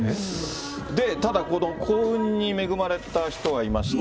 で、ただこの幸運に恵まれた人がいまして。